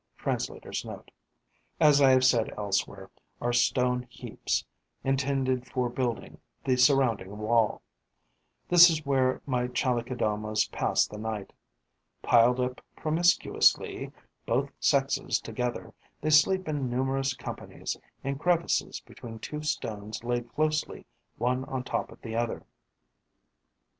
Translator's Note.), as I have said elsewhere, are stone heaps, intended for building the surrounding wall. This is where my Chalicodomae pass the night. Piled up promiscuously, both sexes together, they sleep in numerous companies, in crevices between two stones laid closely one on top of the other.